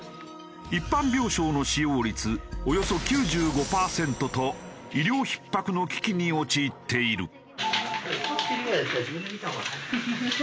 一般病床の使用率およそ９５パーセントと医療ひっ迫の危機に陥っている。